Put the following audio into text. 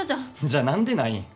じゃあ何でない？